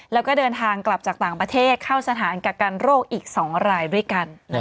แล้วก็เดินทางกลับจากต่างประเทศเข้าสถานกักกันโรคอีก๒รายด้วยกัน